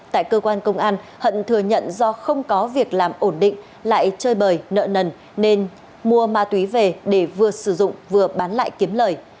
tại cơ quan công an hận thừa nhận do không có việc làm ổn định lại chơi bời nợ nần nên mua ma túy về để vừa sử dụng vừa bán lại kiếm lời